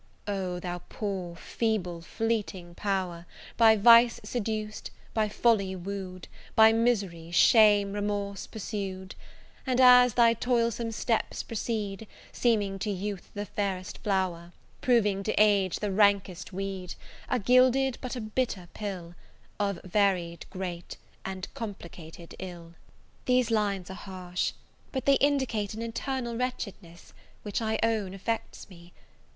O thou poor, feeble, fleeting, pow'r, By Vice seduc'd, by Folly woo'd, By Mis'ry, Shame, Remorse, pursu'd; And as thy toilsome steps proceed, Seeming to Youth the fairest flow'r, Proving to Age the rankest weed, A gilded but a bitter pill, Of varied, great, and complicated ill! These lines are harsh, but they indicate an internal wretchedness, which I own, affects me.